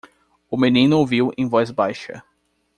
O menino ouviu em voz baixa.